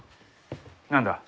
何だ？